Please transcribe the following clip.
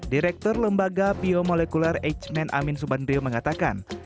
direktur lembaga biomolekuler h man amin subandrio mengatakan